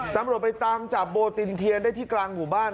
ตำรวจไปตามจับโบตินเทียนได้ที่กลางหมู่บ้าน